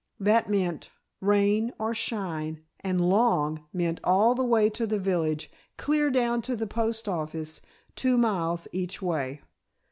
That meant rain or shine and "long" meant all the way to the village, clear down to the post office, two miles each way.